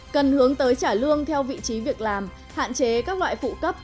cần hướng tới trả lương theo vị trí việc làm hạn chế các loại phụ cấp